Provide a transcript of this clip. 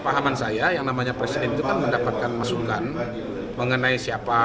pahaman saya yang namanya presiden itu kan mendapatkan masukan mengenai siapa